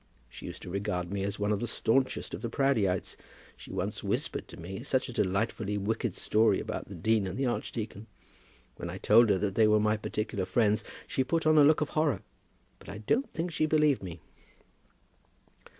She used to regard me as one of the staunchest of the Proudieites! She once whispered to me such a delightfully wicked story about the dean and the archdeacon. When I told her that they were my particular friends, she put on a look of horror. But I don't think she believed me."